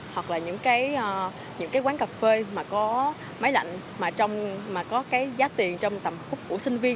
hoặc là những cái quán cà phê mà có máy lạnh mà có cái giá tiền trong tầm khúc của sinh viên